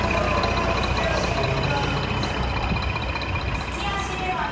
右足だもんな。